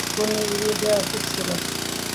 ওর খুলি উড়িয়ে দেওয়া উচিত ছিল।